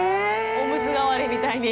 おむつ代わりみたいにして。